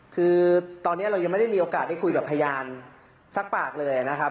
คือตอนนี้เรายังไม่ได้มีโอกาสได้คุยกับพยานสักปากเลยนะครับ